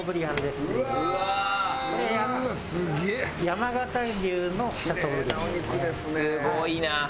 すごいな。